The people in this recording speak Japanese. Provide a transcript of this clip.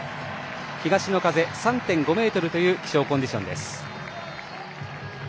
東の風３．５ｍという気象コンディションです。